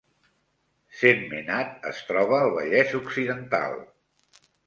Sentmenat es troba al Vallès Occidental